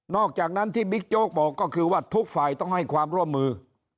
อกจากนั้นที่บิ๊กโจ๊กบอกก็คือว่าทุกฝ่ายต้องให้ความร่วมมือ